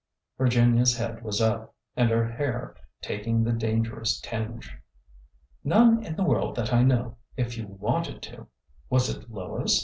Virginia's head was up, and her hair taking the dan gerous tinge. '' None in the world that I know— if you wanted to ! Was it Lois